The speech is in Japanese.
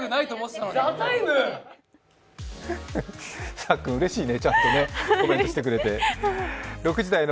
さっくん、うれしいね、ちゃんとコメントしてくれてね。